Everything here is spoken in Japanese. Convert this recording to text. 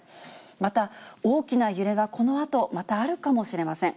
また、大きな揺れがこのあと、またあるかもしれません。